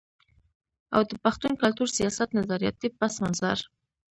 او د پښتون کلتور، سياست، نظرياتي پس منظر